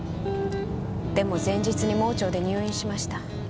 でも前日に盲腸で入院しました。